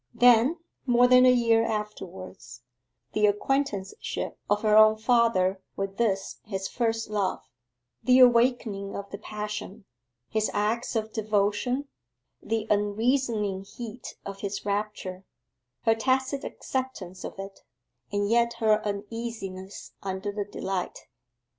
Then, more than a year afterwards, the acquaintanceship of her own father with this his first love; the awakening of the passion, his acts of devotion, the unreasoning heat of his rapture, her tacit acceptance of it, and yet her uneasiness under the delight.